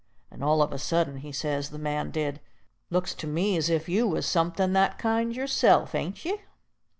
And all of a suddent he says, the man did, "Looks to me's if you was somethin' that kind yourself, ain't ye?"